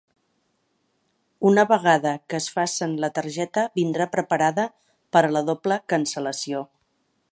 Una vegada que es facen la targeta vindrà preparada per a la doble cancel·lació.